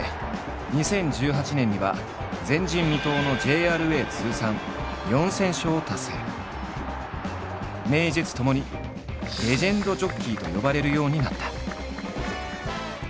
２０１８年には名実ともに「レジェンドジョッキー」と呼ばれるようになった。